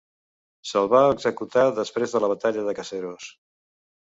Se'l va executar després de la batalla de Caseros.